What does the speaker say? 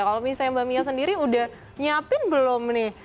kalau misalnya mbak mia sendiri udah nyiapin belum nih